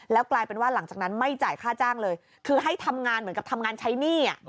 กลายเป็นว่าหลังจากนั้นไม่จ่ายค่าจ้างเลยคือให้ทำงานเหมือนกับทำงานใช้หนี้